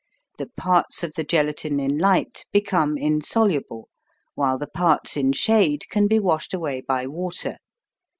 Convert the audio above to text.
The parts of the gelatine in light become insoluble, while the parts in shade can be washed away by water.